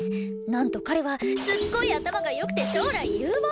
なんと彼はすっごい頭が良くて将来有望！